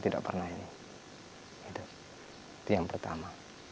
tidak pernah ini itu yang pertama